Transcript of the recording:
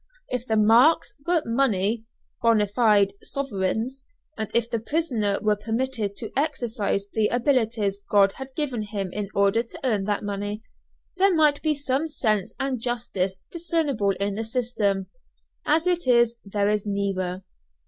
If the "marks" were money, bonâ fide sovereigns, and if the prisoner were permitted to exercise the abilities God has given him in order to earn that money, there might be some sense and justice discernable in the system. As it is there is neither.